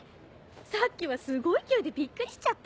さっきはすごい勢いでびっくりしちゃった。